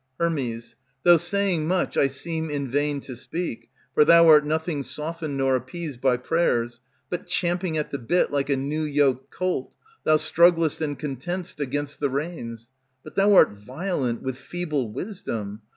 Her. Though saying much I seem in vain to speak; For thou art nothing softened nor appeased By prayers; but champing at the bit like a new yoked Colt, thou strugglest and contend'st against the reins. But thou art violent with feeble wisdom.